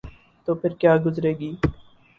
تو پھرکیا گزرے گی؟